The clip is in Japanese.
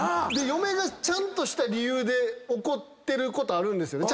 嫁がちゃんとした理由で怒ってることあるんですよね。